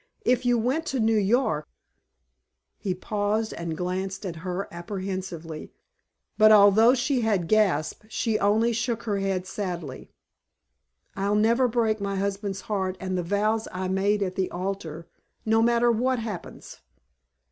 If you went to New York " He paused and glanced at her apprehensively, but although she had gasped she only shook her head sadly. "I'll never break my husband's heart and the vows I made at the altar, no matter what happens."